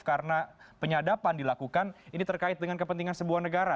karena penyadaban dilakukan ini terkait dengan kepentingan sebuah negara